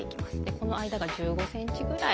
この間が１５ｃｍぐらいですかね。